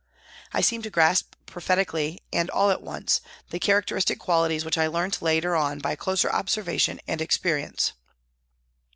I seemed to grasp prophetically and all at once the characteristic qualities which I learnt later on by closer observation and experience.